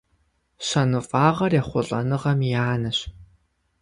Щэныфӏагъэр ехъулӏэныгъэм и анэщ.